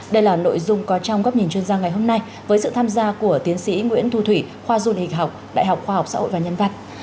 đây là nội dung có trong góc nhìn chuyên gia ngày hôm nay với sự tham gia của tiến sĩ nguyễn thu thủy khoa du lịch học đại học khoa học xã hội và nhân văn